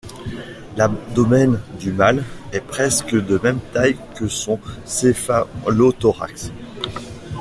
L'abdomen du mâle est presque de même taille que son céphalothorax.